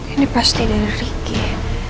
ini pasti dari ricky